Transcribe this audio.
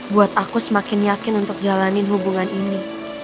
buat aku semakin yakin untuk jalanin hubungan ini